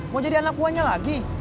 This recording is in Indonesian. mau jadi anak buahnya lagi